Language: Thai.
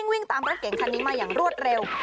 วิ่งตามรถเก่งคันนี้มาอย่างรวดเร็ว